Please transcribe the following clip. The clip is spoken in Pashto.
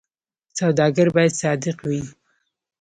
سوداګر باید صادق وي